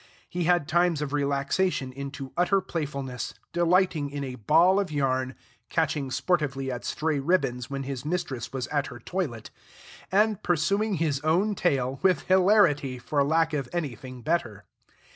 He had times of relaxation into utter playfulness, delighting in a ball of yarn, catching sportively at stray ribbons when his mistress was at her toilet, and pursuing his own tail, with hilarity, for lack of anything better.